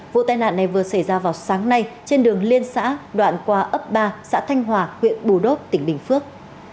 vụ tai nạn này vừa xảy ra vào sáng nay trên đường liên xã đoạn qua ấp ba xã thanh hòa huyện bù đốc tỉnh bình phước